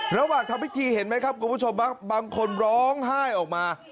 ระหว่างทำพิธีเห็นไหมครับคุณผู้ชมบางคนร้องไห้ออกมา